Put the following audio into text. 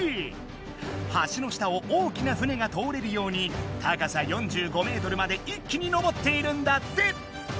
橋の下を大きな船が通れるように高さ４５メートルまで一気にのぼっているんだって。